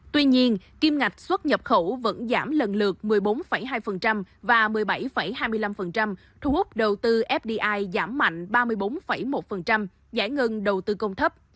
tuy nhiên kim ngạch xuất nhập khẩu vẫn giảm lần lượt một mươi bốn hai và một mươi bảy hai mươi năm thu hút đầu tư fdi giảm mạnh ba mươi bốn một giải ngân đầu tư công thấp